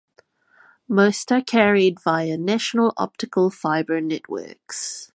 Most are carried via national optical fibre networks.